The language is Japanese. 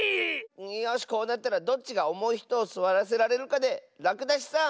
よしこうなったらどっちがおもいひとをすわらせられるかでらくだしさん